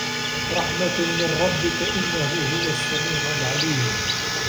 رَحمَةً مِن رَبِّكَ إِنَّهُ هُوَ السَّميعُ العَليمُ